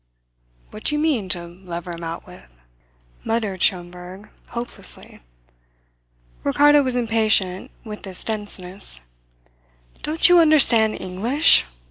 "What do you mean, to lever him out with?" muttered Schomberg hopelessly. Ricardo was impatient with this denseness. "Don't you understand English?